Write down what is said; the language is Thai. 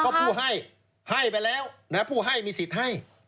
ก็ผู้ให้ให้ไปแล้วผู้ให้มีสิทธิ์ให้